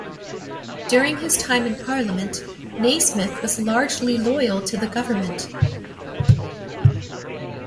During his time in Parliament, Naysmith was largely loyal to the government.